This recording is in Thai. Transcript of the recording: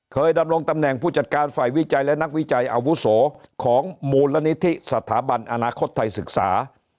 ดำรงตำแหน่งผู้จัดการฝ่ายวิจัยและนักวิจัยอาวุโสของมูลนิธิสถาบันอนาคตไทยศึกษา